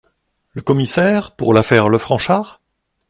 Le Commissaire Pour l’affaire le Franchart ?…